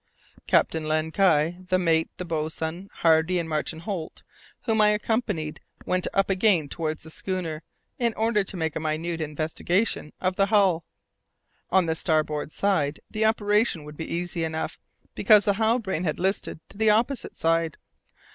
Captain Len Guy, the mate, the boatswain, Hardy, and Martin Holt, whom I accompanied, went up again towards the schooner in order to make a minute investigation of the hull. On the starboard side the operation would be easy enough, because the Halbrane had a list to the opposite side.